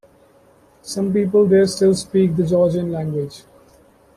Some people there still speak the Georgian language.